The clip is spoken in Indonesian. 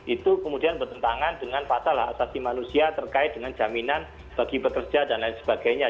itu kemudian bertentangan dengan pasal hak asasi manusia terkait dengan jaminan bagi pekerja dan lain sebagainya